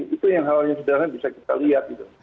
itu hal yang sederhana bisa kita lihat